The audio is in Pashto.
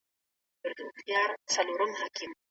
د کار ټول جریان وڅارئ.